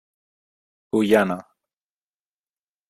Guyana.